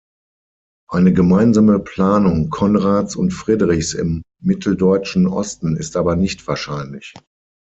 Eine gemeinsame Planung Konrads und Friedrichs im mitteldeutschen Osten ist aber nicht wahrscheinlich.